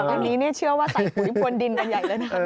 อันนี้เชื่อว่าใส่ปุ๋ยพวนดินกันใหญ่แล้วนะ